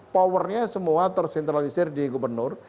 powernya semua tersentralisir di gubernur